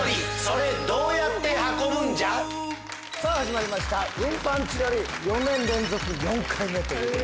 さあ始まりました『運搬千鳥』４年連続４回目ということで。